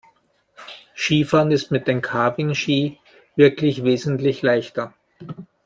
Skifahren ist mit den Carving-Ski wirklich wesentlich leichter.